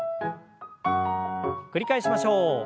繰り返しましょう。